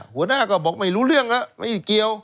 หัวหน้าก็บอกไม่รู้เรื่องแล้วไม่เกี่ยว